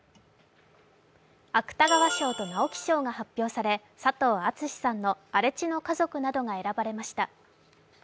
芥川賞と直木賞が発表され、佐藤厚志さんの「荒地の家族」などが選ばれました。